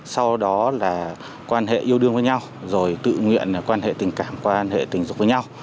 sau đó là quan hệ yêu đương với nhau rồi tự nguyện quan hệ tình cảm quan hệ tình dục với nhau